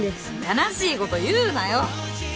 悲しいこと言うなよ